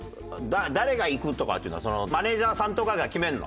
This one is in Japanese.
誰が行くとかっていうのはマネージャーさんとかが決めるの？